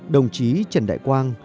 đồng chí trần đại quang